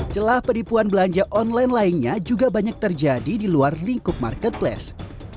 celah penipuan belanja online lainnya juga banyak terjadi di luar lingkup marketplace